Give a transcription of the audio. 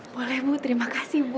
boleh bu terima kasih bu